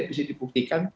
itu bisa dibuktikan